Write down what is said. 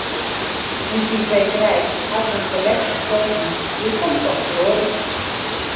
Yn syn kwekerij hat er in kolleksje planten dy't konstant feroaret.